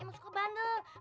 emang suka bantu